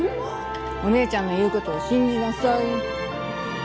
お姉ちゃんの言うことを信じなさい。